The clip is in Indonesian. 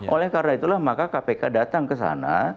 oleh karena itulah maka kpk datang ke sana